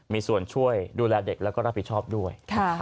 มีส่วนช่วยดูแลเด็กแล้วก็รับผิดชอบด้วย